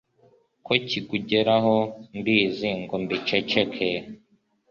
ko kigugeraho mbizi ngo mbiceceke